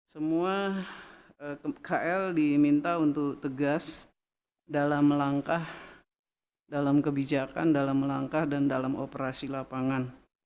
semua kl diminta untuk tegas dalam langkah dalam kebijakan dalam langkah dan dalam operasi lapangan